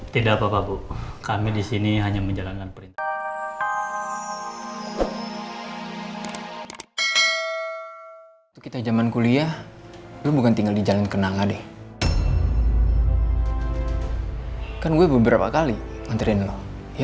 tidak apa apa bu kami di sini hanya menjalankan perintah